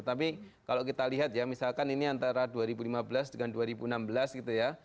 tapi kalau kita lihat ya misalkan ini antara dua ribu lima belas dengan dua ribu enam belas gitu ya